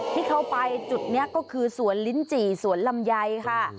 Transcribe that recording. ที่เขาไปจุดนี้ก็คือสวนลิ้นจี่สวนลำไยค่ะ